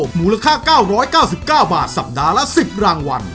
มูลค่า๙๙๙บาทสัปดาห์ละ๑๐รางวัล